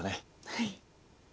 はい。